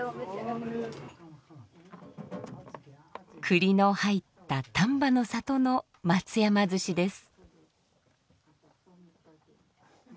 栗の入った丹波の里の松山鮓です。